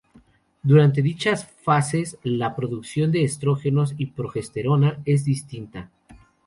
Durante dichas fases la producción de estrógenos y progesterona es distinta.